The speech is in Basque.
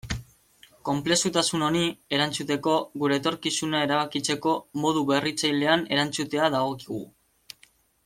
Konplexutasun honi erantzuteko, gure etorkizuna erabakitzeko modu berritzailean erantzutea dagokigu.